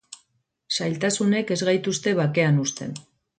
Zailtasunek ez gaituzte bakean uzten.